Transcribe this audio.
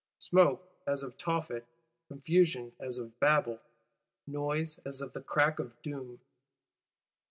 Smoke as of Tophet; confusion as of Babel; noise as of the Crack of Doom!